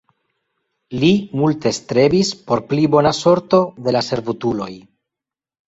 Li multe strebis por pli bona sorto de la servutuloj.